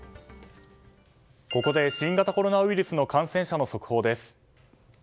ここで新型コロナウイルスの感染者の速報です。